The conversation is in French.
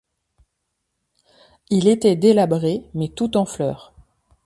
Il était délabré, mais tout en fleurs.